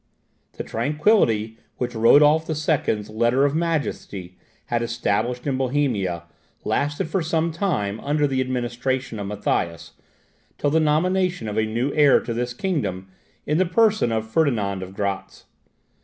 The tranquillity which Rodolph II.'s 'Letter of Majesty' had established in Bohemia lasted for some time, under the administration of Matthias, till the nomination of a new heir to this kingdom in the person of Ferdinand of Gratz.